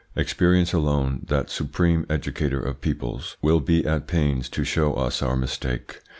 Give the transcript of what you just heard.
Experience alone, that supreme educator of peoples, will be at pains to show us our mistake.